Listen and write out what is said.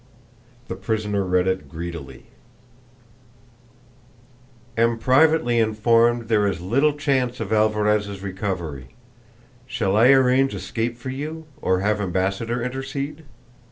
The prisoner read it greedily: "Am privately informed there is little chance of Alvarez's recovery. Shall I arrange escape for you, or have ambassador intercede?